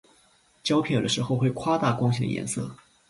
胶片有的时候会夸大光线的颜色。